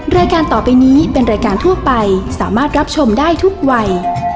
รายการต่อไปนี้เป็นรายการทั่วไปสามารถรับชมได้ทุกวัย